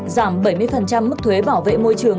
giảm bảy mươi mức thuế bảo vệ môi trường